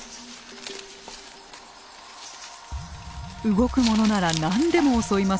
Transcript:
動くものなら何でも襲います。